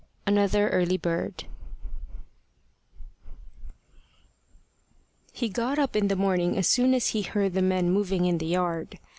ANOTHER EARLY BIRD HE GOT up in the morning as soon as he heard the men moving in the yard.